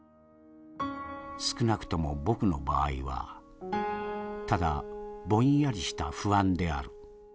少なくとも僕の場合はただぼんやりした不安である。